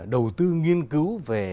đầu tư nghiên cứu về